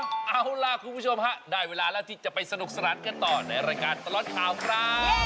เอาล่ะคุณผู้ชมฮะได้เวลาแล้วที่จะไปสนุกสนานกันต่อในรายการตลอดข่าวครับ